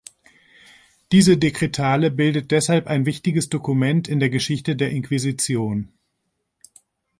Diese Dekretale bildet deshalb ein wichtiges Dokument in der Geschichte der Inquisition.